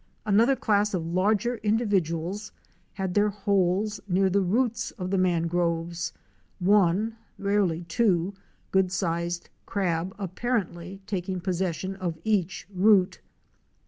Another class of larger individ uals had their holes near the roots of the mangroves, one (rarely two) good sized crab apparently taking possession of each root.